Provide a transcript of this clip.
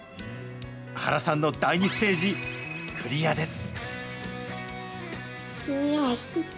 原さんの第２ステージ、クリアです。